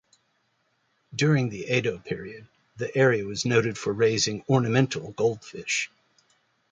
During the Edo period, the area was noted for raising ornamental goldfish.